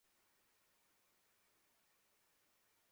কিন্তু আমি কি করে বিশ্বাস করব, যে খুনের সঙ্গে তোমার কোনো সম্পর্ক নেই?